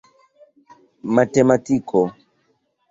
matematiko